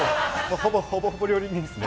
ほぼほぼ料理人ですね。